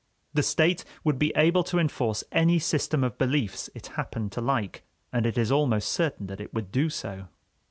The State would be able to enforce any system of beliefs it happened to like, and it is almost certain that it would do so.